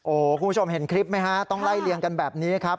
คุณผู้ชมเห็นคลิปไหมฮะต้องไล่เลี่ยงกันแบบนี้ครับ